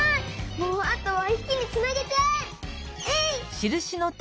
もうあとは一気につなげちゃえ！